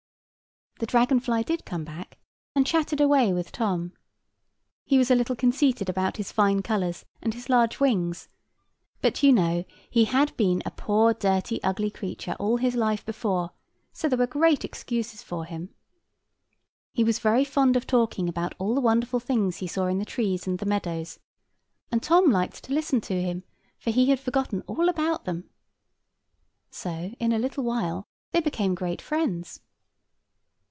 The dragon fly did come back, and chatted away with Tom. He was a little conceited about his fine colours and his large wings; but you know, he had been a poor dirty ugly creature all his life before; so there were great excuses for him. He was very fond of talking about all the wonderful things he saw in the trees and the meadows; and Tom liked to listen to him, for he had forgotten all about them. So in a little while they became great friends.